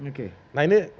oke nah ini